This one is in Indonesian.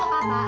pak pak pak